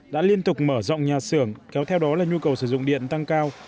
đã liên tục mở rộng nhà xưởng kéo theo đó là nhu cầu sử dụng điện tăng cao